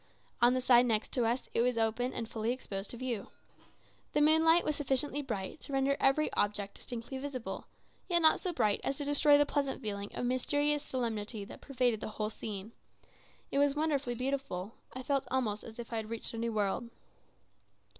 On the side next to us it was open and fully exposed to view. The moonlight was sufficiently bright to render every object distinctly visible, yet not so bright as to destroy the pleasant feeling of mysterious solemnity that pervaded the whole scene. It was wonderfully beautiful. I felt almost as if I had reached a new world.